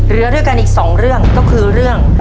เหลือด้วยกันอีกสองเรื่องก็คือเรื่อง